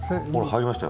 入りました。